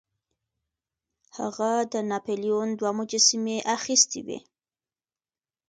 هغه د ناپلیون دوه مجسمې اخیستې وې.